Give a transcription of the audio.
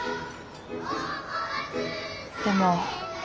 でも。